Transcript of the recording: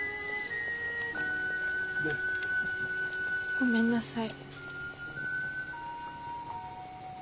ごめんなさい。